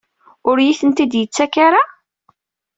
Ur iyi-tent-id-yettak ara?